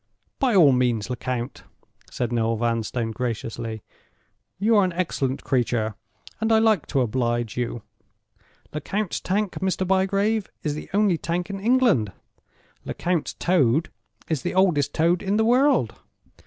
"By all means, Lecount," said Noel Vanstone, graciously. "You are an excellent creature, and I like to oblige you. Lecount's Tank, Mr. Bygrave, is the only Tank in England—Lecount's Toad is the oldest Toad in the world.